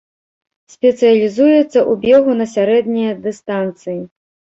Спецыялізуецца ў бегу на сярэднія дыстанцыі.